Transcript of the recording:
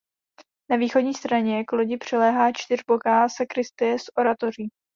Na východní straně k lodi přiléhá čtyřboká sakristie s oratoří.